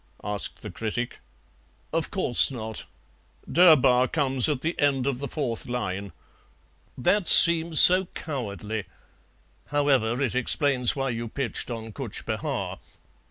asked the critic. "Of course not; 'Durbar' comes at the end of the fourth line." "That seems so cowardly; however, it explains why you pitched on Cutch Behar."